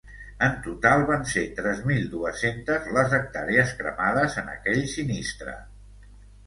En total, van ser tres mil dues-centes les hectàrees cremades en aquell sinistre.